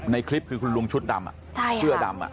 ในคลิปคือคุณลุงชุดดำเสื้อดำ